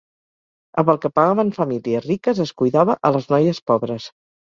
Amb el que pagaven famílies riques es cuidava a les noies pobres.